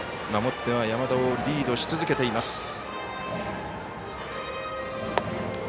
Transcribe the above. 守っては山田をリードし続けています。